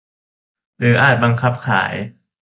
หรืออาจบังคับขาย